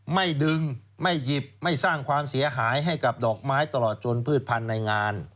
ไม่ดึงไม่หยิบไม่สร้างความเสียหายให้กับดอกไม้ตลอดจนพืชพันธุ์ในงาน